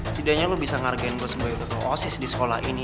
setidaknya lo bisa ngargain gue sebagai foto osis di sekolah ini